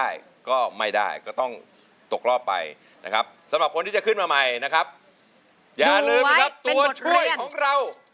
สำหรับคนที่จะขึ้นมาใหม่นะครับอย่าลืมนะครับตัวช่วยของเรา